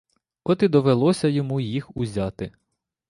От і довелося йому їх узяти.